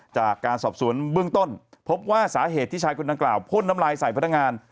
จากการสอบสวนเบื้องต้นพบว่าสาเหตุที่ชายคนดังกล่าวพ่นน้ำลายใส่พนักงาน